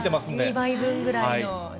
２倍分ぐらいの。